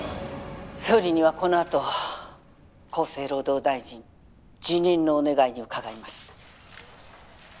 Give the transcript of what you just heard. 総理にはこのあと厚生労働大臣辞任のお願いに伺います。